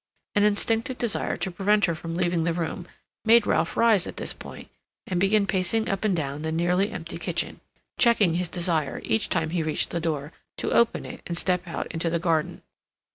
An instinctive desire to prevent her from leaving the room made Ralph rise at this point and begin pacing up and down the nearly empty kitchen, checking his desire, each time he reached the door, to open it and step out into the garden.